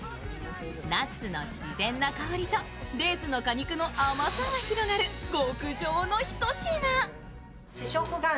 ナッツの自然な香りとデーツの果肉の甘さが広がる極上のひと品。